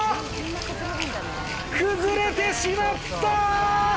崩れてしまった！